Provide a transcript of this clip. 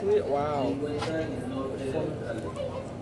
Se encuentra en el norte de Australia.